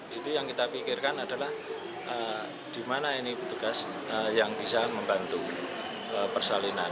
jadi yang kita pikirkan adalah di mana ini petugas yang bisa membantu persalinan